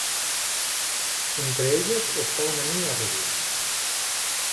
Entre ellos, está una niña rubia.